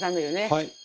はい。